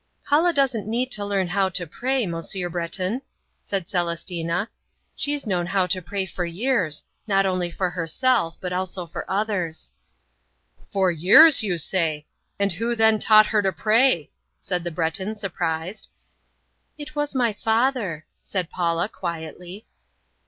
"Paula doesn't need to learn how to pray, Monsieur Breton," said Celestina, "she's known how to pray for years, not only for herself, but also for others." "For years, you say! And who then taught her to pray?" said the Breton surprised. "It was my father," said Paula quietly.